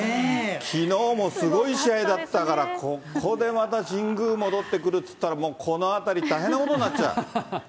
きのうもすごい試合だったから、ここでまた神宮戻ってくるっていったら、もうこの辺り、大変なことになっちゃう。